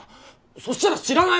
そしたら知らない。